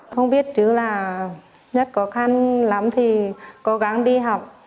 không biết chứ là nhất khó khăn lắm thì cố gắng đi học